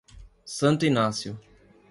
Santo Inácio